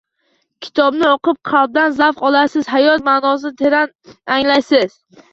Kitobni o‘qib, qalban zavq olasiz, hayot ma’nosini teran anglaysiz